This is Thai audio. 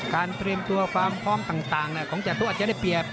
การเตรียมฟังตรวมเร็วของจาตุอาจจะได้เปียบ